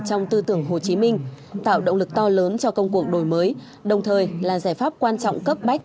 trong tư tưởng hồ chí minh tạo động lực to lớn cho công cuộc đổi mới đồng thời là giải pháp quan trọng cấp bách